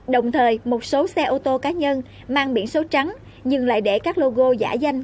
đồng thời một số xe ô tô cá nhân mang biển số trắng nhưng lại để các logo giả danh